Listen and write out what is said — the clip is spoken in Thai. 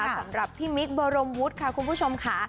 สำหรับพี่มิคบรมวุฒิค่ะคุณผู้ชมค่ะ